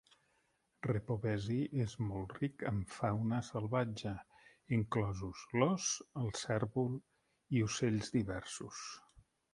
Repovesi és molt ric en fauna salvatge, inclosos l'ós, el cérvol i ocells diversos.